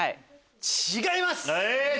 違います！